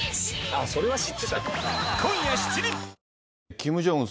キム・ジョンウン